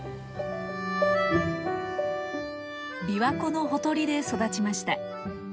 琵琶湖のほとりで育ちました。